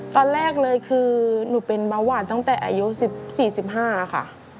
ตอนแรกเลยคือหนูเป็นเบาหวานตั้งแต่อายุ๑๔๑๕ค่ะ